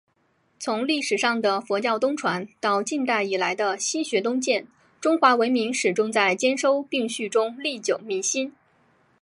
从历史上的佛教东传……到近代以来的“西学东渐”……中华文明始终在兼收并蓄中历久弥新。